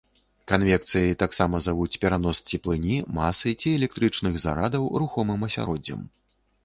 Канвекцыяй таксама завуць перанос цеплыні, масы ці электрычных зарадаў рухомым асяроддзем.